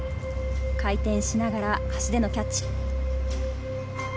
回転しながら足でのキャッチ。